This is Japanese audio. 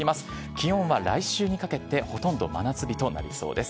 気温は来週にかけて、ほとんど真夏日となりそうです。